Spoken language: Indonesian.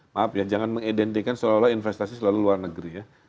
maaf ya jangan mengidentikan seolah olah investasi selalu luar negeri ya